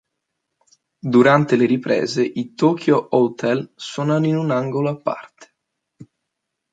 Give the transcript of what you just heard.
Durante le riprese i Tokio Hotel suonano in un angolo a parte.